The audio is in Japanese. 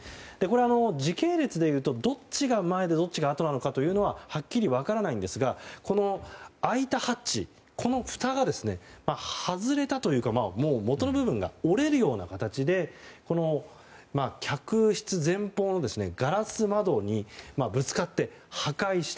時系列でいうと、どっちが前でどっちがあとなのかというのははっきり分からないんですがこの開いたハッチのふたが外れたというか元の部分が折れるような形で客室前方のガラス窓にぶつかって破壊した。